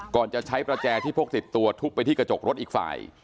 จะใช้ประแจที่พกติดตัวทุบไปที่กระจกรถอีกฝ่าย